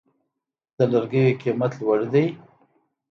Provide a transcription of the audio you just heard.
د لرګیو قیمت لوړ دی؟